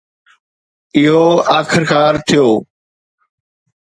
اهو آخرڪار ٿيو.